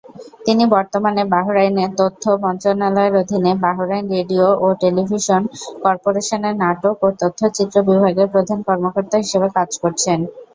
তিনি বর্তমানে বাহরাইনের তথ্য মন্ত্রণালয়ের অধীনে বাহরাইন রেডিও ও টেলিভিশন কর্পোরেশনের নাটক ও তথ্যচিত্র বিভাগের প্রধান কর্মকর্তা হিসেবে কাজ করছেন।